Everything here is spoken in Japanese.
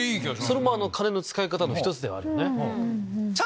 それも金の使い方の１つではあるよね。